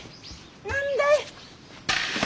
何だい？